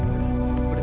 kamu pegang kamu pegang